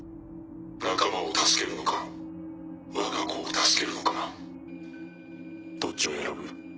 仲間を助けるのかわが子を助けるのかどっちを選ぶ？